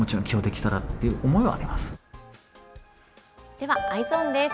ではＥｙｅｓｏｎです。